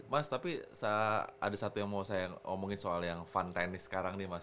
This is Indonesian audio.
mas tapi ada satu yang mau saya omongin soal yang fun tenis sekarang nih mas